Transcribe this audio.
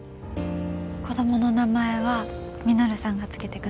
子供の名前は稔さんが付けてくださいね。